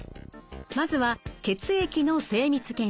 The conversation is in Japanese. まずは血液の精密検査。